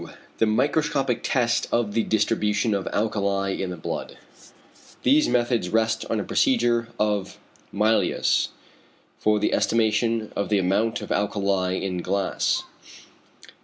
2. The microscopic test of the distribution of alkali in the blood. These methods rest on a procedure of Mylius for the estimation of the amount of alkali in glass.